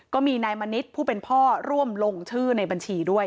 ก็มีนายมณิษฐ์ผู้เป็นพ่อร่วมลงชื่อในบัญชีด้วย